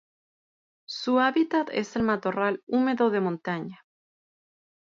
Su hábitat es el matorral húmedo de montaña.